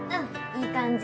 いい感じ！